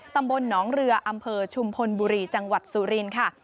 ตำบลหนองเรืออำเภอชุมพลบุรีจังหวัดสุรินทร์ค่ะ